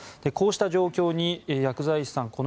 こうした状況に薬剤師さん